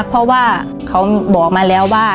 เพราะว่าเขาบอกมาแล้วว่า